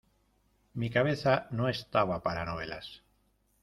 Mi cabeza no estaba para novelas.